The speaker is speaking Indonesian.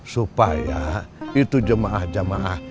supaya itu jemaah jemaah